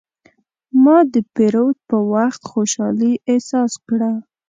ما د پیرود په وخت خوشحالي احساس کړه.